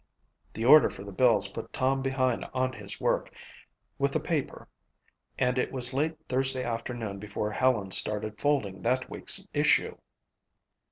The order for the bills put Tom behind on his work with the paper and it was late Thursday afternoon before Helen started folding that week's issue.